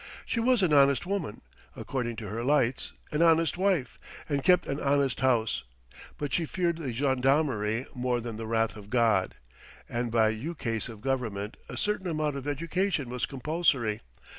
She was an honest woman, according to her lights, an honest wife, and kept an honest house; but she feared the gendarmerie more than the Wrath of God. And by ukase of Government a certain amount of education was compulsory.